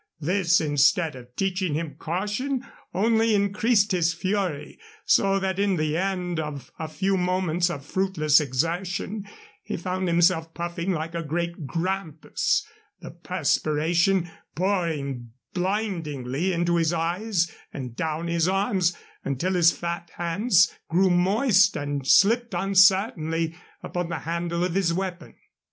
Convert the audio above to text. This, instead of teaching him caution, only increased his fury, so that at the end of a few moments of fruitless exertion he found himself puffing like a great grampus, the perspiration pouring blindingly into his eyes and down his arms, until his fat hands grew moist and slipped uncertainly upon the handle of his weapon.